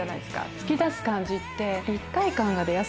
突き出す感じって。